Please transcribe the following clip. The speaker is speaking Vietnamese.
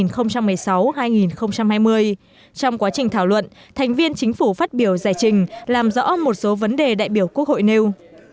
trong quá trình thảo luận thành viên chính phủ phát biểu giải trình làm rõ một số vấn đề đại biểu quốc hội nêu